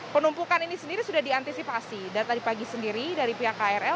penumpukan ini sendiri sudah diantisipasi dari tadi pagi sendiri dari pihak krl